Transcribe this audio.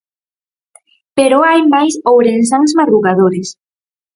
Pero hai máis ourensáns madrugadores.